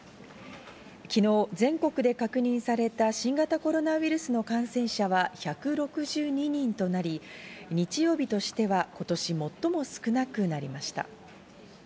昨日全国で確認された新型コロナウイルスの感染者は１６２人となり、日曜日としては今年最も少なくなりました。